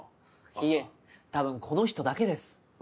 いえ多分この人だけです。